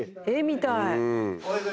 絵みたい。